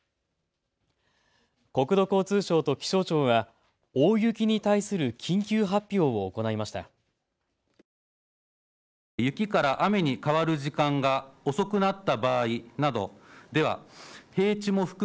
国土交通省と気象庁は大雪に対する緊急発表を行いました。